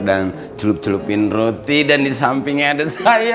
dan celup celupin roti dan di sampingnya ada saya